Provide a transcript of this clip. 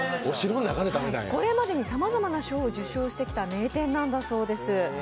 これまでにさまざまな賞を受賞してきた名店なんだそうです。